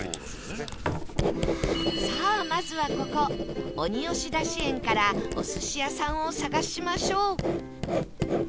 さあまずはここ鬼押出し園からお寿司屋さんを探しましょう